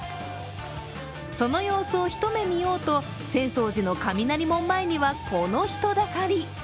その様子を一目見ようと浅草寺の雷門前にはこの人だかり。